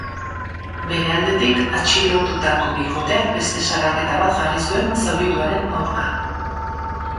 Bere aldetik, atxilotutako bikoteak beste salaketa bat jarri zuen zaurituaren aurka.